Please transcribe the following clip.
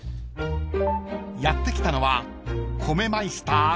［やって来たのは］